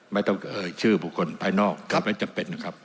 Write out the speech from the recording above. ไม่ต้องเอ่ยชื่อบุคคลภายนอกก็ไม่จำเป็นนะครับ